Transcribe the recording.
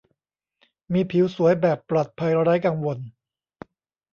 มีผิวสวยแบบปลอดภัยไร้กังวล